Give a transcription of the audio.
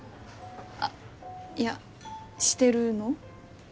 あいやしてるの？